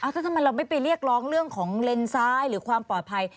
ถ้าทำไมเราไม่ไปเรียกร้องเรื่องของเลนซ้ายหรือความปลอดภัย